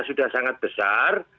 sudah sangat besar